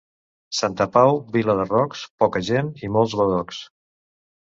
Santa Pau, vila de rocs, poca gent i molts badocs.